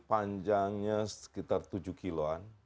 panjangnya sekitar tujuh kiloan